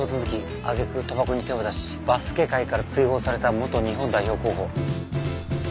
あげく賭博に手を出しバスケ界から追放された元日本代表候補。